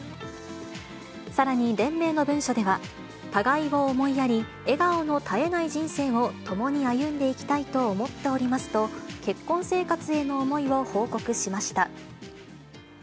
さらに連名の文書では、互いを思いやり、笑顔の絶えない人生を共に歩んでいきたいと思っておりますと、結婚生活への思いを報告しました。